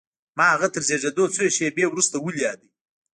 ما هغه تر زېږېدو څو شېبې وروسته وليد.